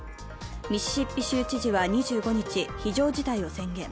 ミシシッピ州知事は２５日、非常事態を宣言。